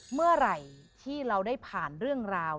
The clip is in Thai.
เมื่อไหร่ที่เราได้ผ่านเรื่องราว